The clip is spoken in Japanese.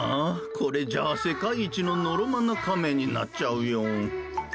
これじゃあ世界一ののろまなカメになっちゃうよ。